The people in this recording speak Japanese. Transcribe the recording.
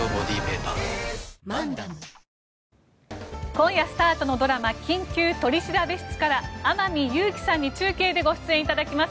今夜スタートのドラマ「緊急取調室」から天海祐希さんに中継でご出演いただきます。